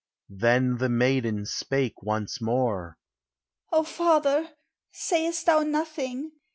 Then the maiden spake once more: "O father! sayest thou nothing?